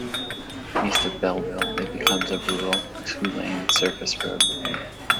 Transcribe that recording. East of Belleville, it becomes a rural, two-lane surface road.